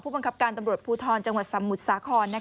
บังคับการตำรวจภูทรจังหวัดสมุทรสาคร